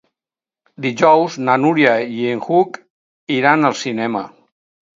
Dijous na Núria i n'Hug iran al cinema.